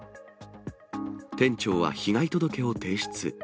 店長は被害届を提出。